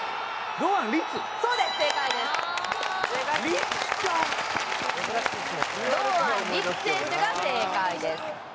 堂安律選手が正解です。